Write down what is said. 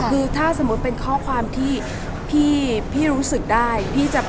คือถ้าสมมุติเป็นข้อความที่พี่รู้สึกได้พี่จะ